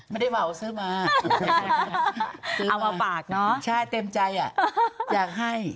ไม่ได้เบาซื้อมาเอามาฝากเนอะใช่เต็มใจอ่ะอยากให้